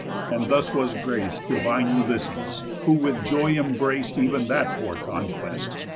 And thus was grac'd Divine Ulysses, who with joy embrac'd Ev'n that poor conquest.